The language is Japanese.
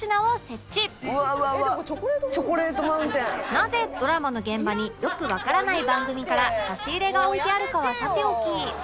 なぜドラマの現場によくわからない番組から差し入れが置いてあるかはさておき